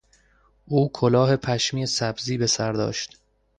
او کلاه پشمی سبزی به سر داشت.